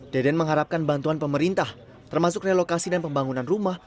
deden mengharapkan bantuan pemerintah termasuk relokasi dan pembangunan rumah